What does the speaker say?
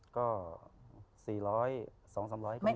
ก็๔๐๐หรือ๒๐๐๓๐๐อีก